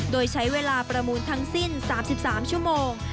โดยใช้เวลาประมูลทั้งสิ้น๓๓ชั่วโมง